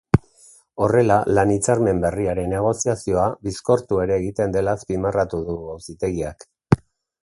Horrela lan hitzarmen berriaren negoziazioa bizkortu ere egiten dela azpimarratu du auzitegiak.